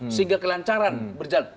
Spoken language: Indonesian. sehingga kelancaran berjalan